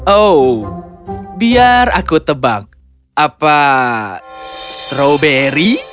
oh biar aku tebak apa stroberi